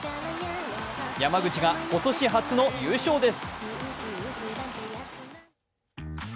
山口が今年初の優勝です。